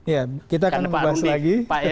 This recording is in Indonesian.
ya kita akan membahas lagi